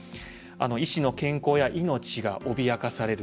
医師の健康や命がおびやかされる。